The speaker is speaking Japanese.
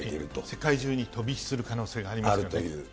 世界中に飛び火する可能性があるという。